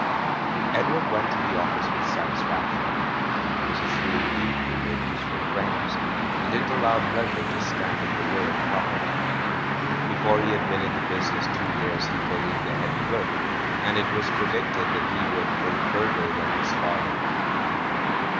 Edward went to the office with satisfaction. He was a shrewd youth who made useful friends, and didn't allow pleasure to stand in the way of profit. Before he had been in the business two years he bullied the head clerk, and it was pre dicted that he would "go further than his father.'